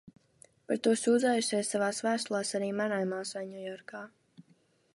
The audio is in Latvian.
Par to sūdzējusies savās vēstulēs arī manai māsai Ņujorkā.